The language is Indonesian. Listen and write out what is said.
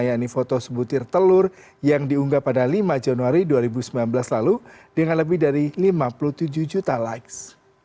yakni foto sebutir telur yang diunggah pada lima januari dua ribu sembilan belas lalu dengan lebih dari lima puluh tujuh juta likes